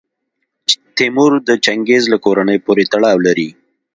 تیمور د چنګیز له کورنۍ پورې تړاو لري.